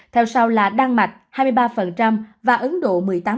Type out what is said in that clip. theo sau là đan mạch hai mươi ba và ấn độ một mươi tám